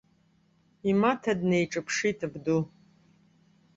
Имаҭа днаиҿаԥшит абду.